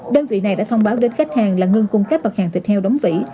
đơn vị này đã thông báo đến khách hàng là ngưng cung cấp bật hàng thịt heo đóng vĩ